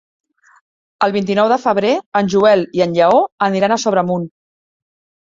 El vint-i-nou de febrer en Joel i en Lleó aniran a Sobremunt.